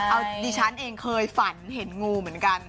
เอาดิฉันเองเคยฝันเห็นงูเหมือนกัน